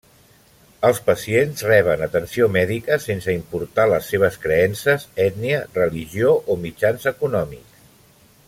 Els pacients reben atenció mèdica sense importar les seves creences, ètnia, religió, o mitjans econòmics.